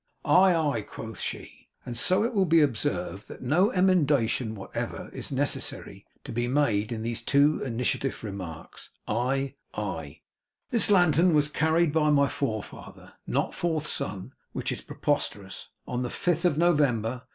'Aye, aye,' quoth she, and it will be observed that no emendation whatever is necessary to be made in these two initiative remarks, 'Aye, aye! This lantern was carried by my forefather' not fourth son, which is preposterous 'on the fifth of November.